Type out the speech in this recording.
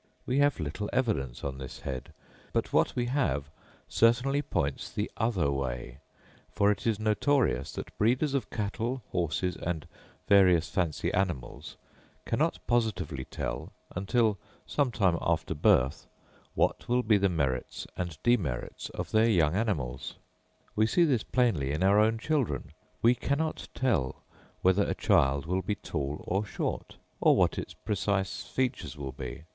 We have little evidence on this head, but what we have certainly points the other way; for it is notorious that breeders of cattle, horses and various fancy animals, cannot positively tell, until some time after birth, what will be the merits and demerits of their young animals. We see this plainly in our own children; we cannot tell whether a child will be tall or short, or what its precise features will be.